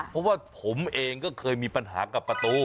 เพราะว่าผมเองก็เคยมีปัญหากับประตู